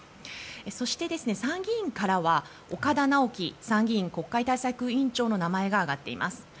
そして、参議院からは岡田直樹参議院国会対策委員長の名前が挙がっています。